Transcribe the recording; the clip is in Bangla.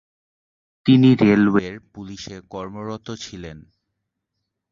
তিনি রেলওয়ের পুলিশে কর্মরত ছিলেন।